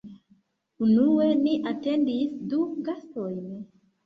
Unue ni atendis du gastojn